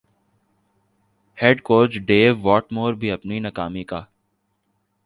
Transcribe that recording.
head coach Dav Whatmore بھی اپنی ناکامی کا